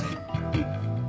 うん。